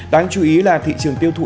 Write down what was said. đáng chú ý là thị trường tiêu thụ